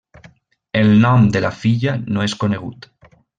El nom de la filla no és conegut.